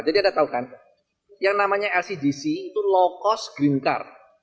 jadi anda tahu kan yang namanya lcgc itu low cost green car